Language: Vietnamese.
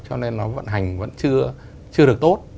cho nên nó vận hành vẫn chưa được tốt